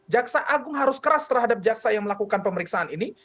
jaksa agung harus keras terhadap jaksa yang melakukan pemeriksaan ini